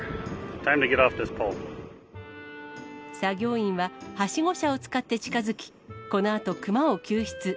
作業員は、はしご車を使って近づき、このあと、熊を救出。